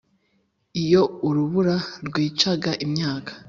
Iyo urubura rwicaga imyaka